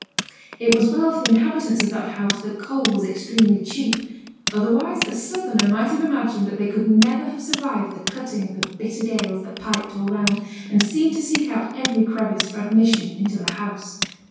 It was well for the inhabitants of that house that coal was extremely cheap; otherwise a southerner might have imagined that they could never have survived the cutting of the bitter gales that piped all round, and seemed to seek out every crevice for admission into the house.